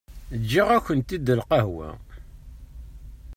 Giɣ-akent-id lqahwa.